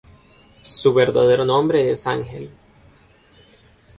Su verdadero nombre es Ángel.